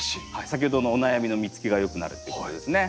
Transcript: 先ほどのお悩みの実つきが良くなるっていうことですね。